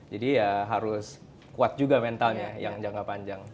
jadi ya harus kuat juga mentalnya yang jangka panjang